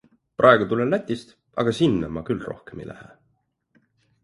Praegu tulen Lätist, aga sinna ma küll rohkem ei lähe.